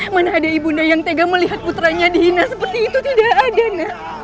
mana ada ibunda yang tega melihat putranya dihina seperti itu tidak ada nak